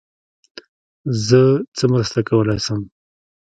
زه څه مرسته کولای سم.